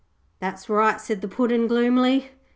'That's right,' said the Puddin', gloomily.